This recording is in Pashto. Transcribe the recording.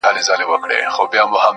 o پر کومي لوري حرکت وو حوا څه ډول وه.